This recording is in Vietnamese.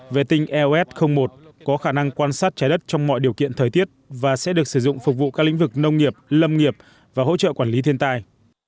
vệ tinh eos một có khả năng quan sát trái đất trong mọi điều kiện thời tiết và sẽ được sử dụng phục vụ các lĩnh vực nông nghiệp lâm nghiệp và hỗ trợ quản lý thiên tai